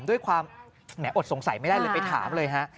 ด้วยความแหมอดสงสัยไม่ได้เลยไปถามเลยฮะ